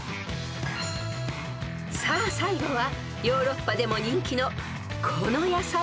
［さあ最後はヨーロッパでも人気のこの野菜］